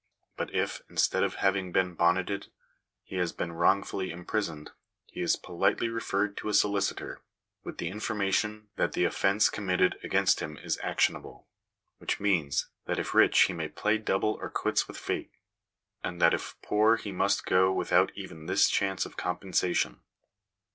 But if, instead of having been bonneted, he has been wrongfully imprisoned, he is politely referred to a solicitor, with the information that the offence committed against him is actionable : which means, that if rich he may play double or quits with Fate ; and that if poor he must go without even this chance of compensation.